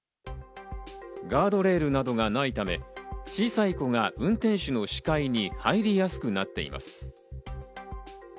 ガードレールなどがないため、小さい子が運転手の視界に入りやすくなっています。